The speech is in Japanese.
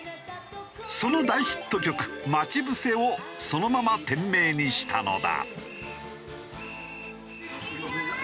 その大ヒット曲『まちぶせ』をそのまま店名にしたのだ。